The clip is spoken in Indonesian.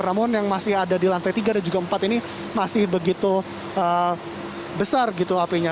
namun yang masih ada di lantai tiga dan juga empat ini masih begitu besar gitu apinya